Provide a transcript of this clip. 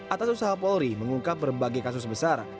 atas usaha polri mengungkap berbagai kasus besar